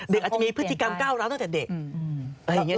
เด็กอาจจะมีพฤติกรรมก้าวร้านตั้งแต่เด็ก